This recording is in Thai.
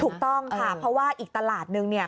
ถูกต้องค่ะเพราะว่าอีกตลาดนึงเนี่ย